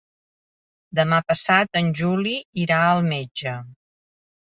Demà passat en Juli irà al metge.